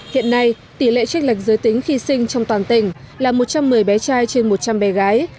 hiện nay tỷ lệ trích lệch giới tính khi sinh trong toàn tỉnh là một trăm một mươi bé trai trên một trăm linh bé gái